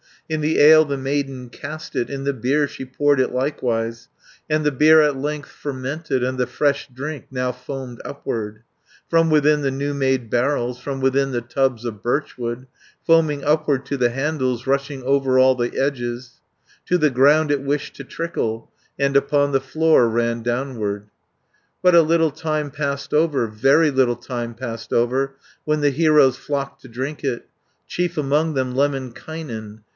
380 "In the ale the maiden cast it, In the beer she poured it likewise, And the beer at length fermented, And the fresh drink now foamed upward, From within the new made barrels, From within the tubs of birchwood, Foaming upward to the handles, Rushing over all the edges; To the ground it wished to trickle, And upon the floor ran downward. 390 "But a little time passed over, Very little time passed over, When the heroes flocked to drink it, Chief among them Lemminkainen.